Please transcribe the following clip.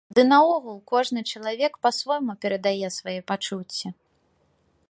Ды, наогул, кожны чалавек па-свойму перадае свае пачуцці.